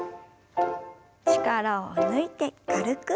力を抜いて軽く。